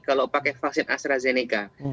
kalau pakai vaksin astrazeneca